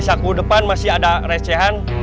saku depan masih ada recehan